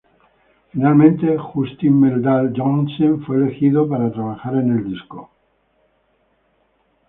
Finalmente, Justin Meldal-Johnsen fue elegido para trabajar en el disco.